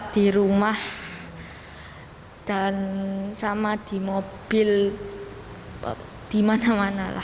di rumah dan sama di mobil di mana mana lah